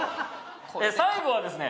最後はですね